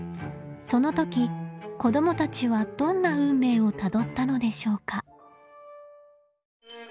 その時子どもたちはどんな運命をたどったのでしょうか。